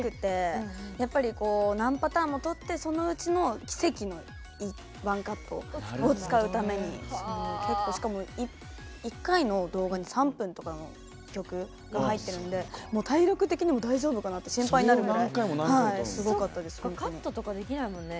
何パターンも撮ってそのうちの奇跡のワンカットを使うために１回の動画に３分とかの曲が入ってるので、体力的にも大丈夫かなってカットとかできないもんね。